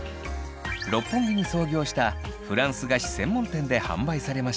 六本木に創業したフランス菓子専門店で販売されました。